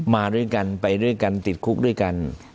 มาด้วยกันไปด้วยกันติดคุกด้วยกัน